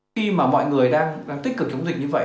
khi mà mọi người đang tích cực chống dịch như vậy